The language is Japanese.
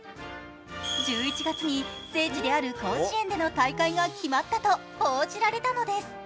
１１月に聖地である甲子園での大会が決まったと報じられたのです。